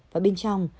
và bên trong